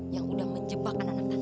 yang udah menjebakkan anak anak tante